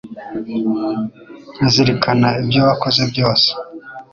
nkazirikana ibyo wakoze byose